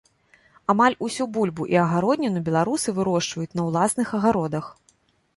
Амаль усю бульбу і агародніну беларусы вырошчваюць на ўласных агародах.